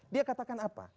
dia katakan apa